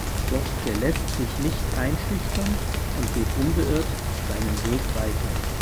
Doch der lässt sich nicht einschüchtern und geht unbeirrt seinen Weg weiter.